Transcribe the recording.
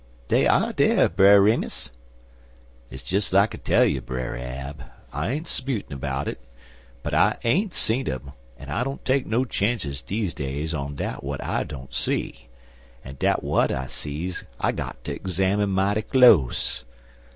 "Dey er dar, Brer Remus." "Hit's des like I tell you, Brer Ab. I ain't 'sputin' 'bout it, but I ain't seed um, an' I don't take no chances deze days on dat w'at I don't see, an' dat w'at I sees I got ter 'zamine mighty close.